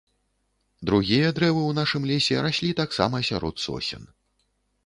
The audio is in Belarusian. Другія дрэвы ў нашым лесе раслі таксама сярод сосен.